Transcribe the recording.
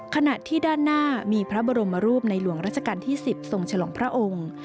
ขณะที่ด้านหน้ามีพระบรมรูปในหลวงราชการที่๑๐ทรงฉลองพระองค์